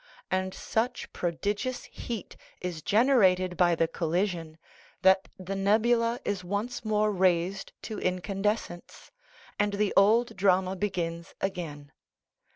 And such prodigious heat is generated by the collision that the nebula is once more raised to incandescence, and the old drama begins again.